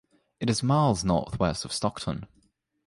It is miles northwest of Stockton.